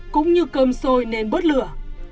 cũng như cơm xôi nên bớt lửa